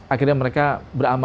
akhirnya mereka beramaliat